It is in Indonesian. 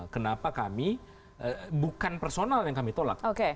kenapa kami bukan personal yang kami tolak